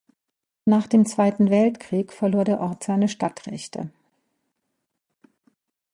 Nach dem Zweiten Weltkrieg verlor der Ort seine Stadtrechte.